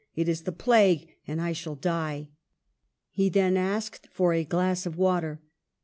" It is the plague, and I shall die." He then asked for a glass of water.